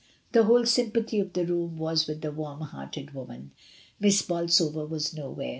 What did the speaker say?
The whole sympathy of the room was with the warm hearted woman. Miss Bolsover was nowhere.